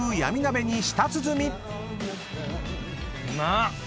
うまっ！